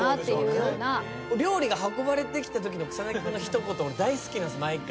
料理が運ばれてきたときの草薙君の一言大好きなんです毎回。